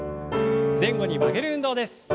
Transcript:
前後に曲げる運動です。